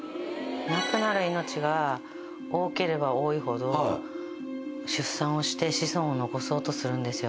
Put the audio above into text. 亡くなる命が多ければ多いほど出産をして子孫を残そうとするんですよ。